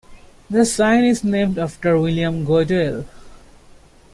The sign is named after William Goodell.